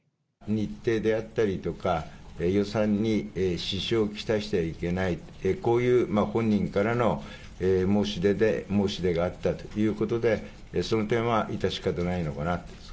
日程であったりとか、予算に支障を来してはいけない、こういう本人からの申し出があったということで、その点は致し方ないのかなと。